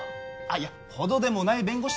いや「ほどでもない弁護士」